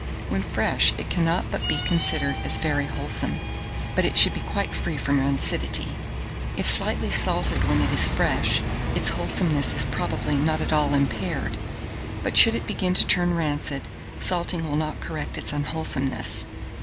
When fresh, it cannot but be considered as very wholesome; but it should be quite free from rancidity. If slightly salted when it is fresh, its wholesomeness is probably not at all impaired; but should it begin to turn rancid, salting will not correct its unwholesomeness.